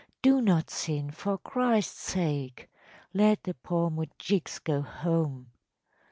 Do not sin, for Christ’s sake. Let the poor moujiks go home.